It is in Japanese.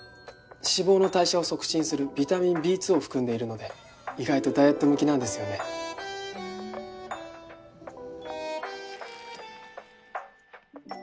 脂肪の代謝を促進するビタミンＢ２を含んでいるので意外とダイエット向きなんですよね。ふーん。